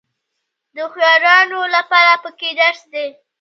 د هوښیارانو لپاره پکې درس دی.